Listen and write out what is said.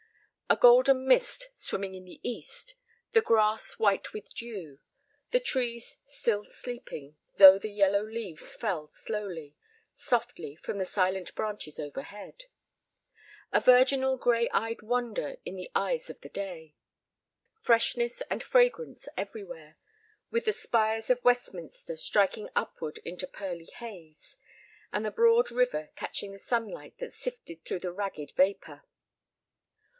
A golden mist swimming in the east; the grass white with dew; the trees still sleeping, though the yellow leaves fell slowly, softly from the silent branches overhead. A virginal gray eyed wonder in the eyes of the day. Freshness and fragrance everywhere, with the spires of Westminster striking upward into pearly haze, and the broad river catching the sunlight that sifted through the ragged vapor.